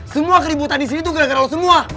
semua keributan di sini tuh gara gara laut semua